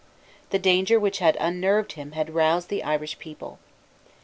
The danger which had unnerved him had roused the Irish people.